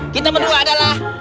kita berdua adalah